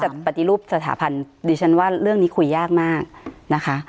แต่ปฏิรูปสถาบันดิฉันว่าเรื่องนี้คุยยากมากนะคะ